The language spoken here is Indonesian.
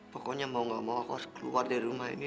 pokoknya mau gak mau aku harus keluar dari rumah ini